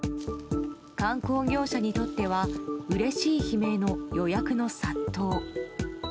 観光業者にとってはうれしい悲鳴の予約の殺到。